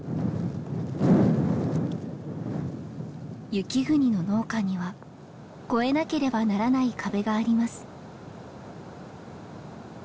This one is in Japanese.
雪国の農家には越えなければならない壁があります。